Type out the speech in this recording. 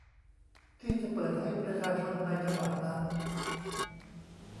ที่จะเปิดให้ประชาชนในจังหวัดนั้น